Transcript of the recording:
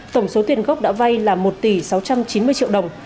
tổng số tiền góp đã vai là một tỷ sáu trăm chín mươi triệu đồng